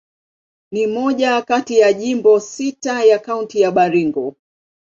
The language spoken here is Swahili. Ni moja kati ya majimbo sita ya Kaunti ya Baringo.